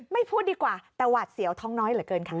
พูดดีกว่าแต่หวาดเสียวท้องน้อยเหลือเกินค่ะ